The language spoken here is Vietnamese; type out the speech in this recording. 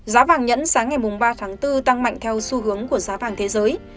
giá vàng nhẫn sáng ngày ba tháng bốn tăng mạnh theo xu hướng của giá vàng thế giới